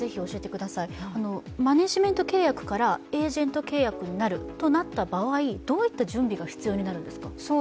マネジメント契約からエージェント契約になるとなった場合、どういった準備が必要になるんですか？